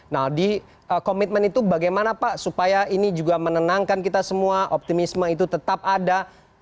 nah di komitmen itu bagaimana pak supaya ini juga menenangkan kita semua optimisme itu tetap ada